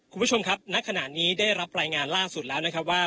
คุณผู้ชมครับณขณะนี้ได้รับรายงานล่าสุดแล้วนะครับว่า